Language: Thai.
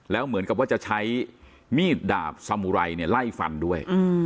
แล้วเหมือนกับว่าจะใช้มีดดาบซามูไรลายฟันด้วย